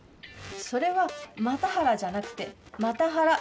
それは又原じゃなくてマタハラ。